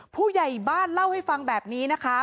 ผู้ใหญ่บ้านเล่าให้ฟังแบบนี้นะคะ